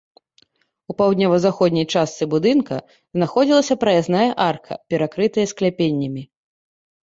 У паўднёва-заходняй частцы будынка знаходзілася праязная арка, перакрытая скляпеннямі.